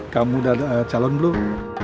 kamu udah calon belum